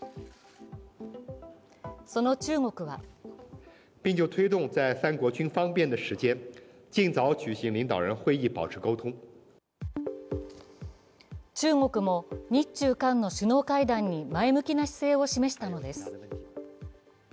その中国は中国も日中韓の首脳会談に前向きな姿勢を示したのです。